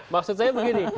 maksud saya begini